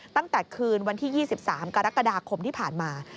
ตั้งแต่คืนวันที่๒๓กรกฎาคมที่ผ่านมา